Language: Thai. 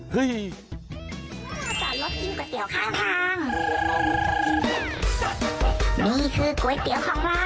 เฮ้ย